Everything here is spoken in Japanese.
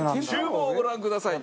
厨房をご覧ください。